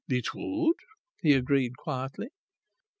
"It would," he agreed quietly.